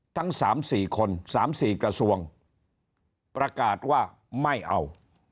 ทั้ง๓๔คน๓๔กระทรวงประกาศว่าไม่เอา